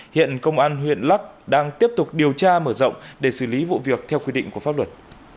hiện công an huyện lắc đang tiếp tục điều tra mở rộng để xử lý vụ việc theo quy định của pháp luật